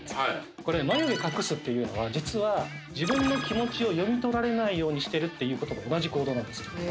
これ眉毛隠すっていうのは実は自分の気持ちを読み取られないようにしてるっていうことと同じ行動なんですよ